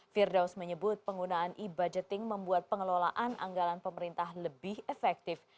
firdaus menyebut penggunaan e budgeting membuat pengelolaan anggaran pemerintah lebih efektif